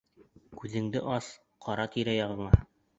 Күҙеңде ас, ҡара тирә-яғыңа!